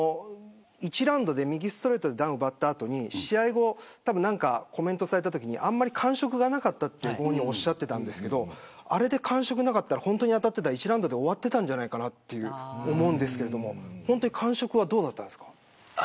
１ラウンドで右ストレートでダウン奪った後に試合後コメントされたときにあまり感触がなかったとおっしゃっていたんですがあれで感触なかったら本当に当たってたら１ラウンドで終わっていたんじゃないかと思うんですが感触はどうだったんですか。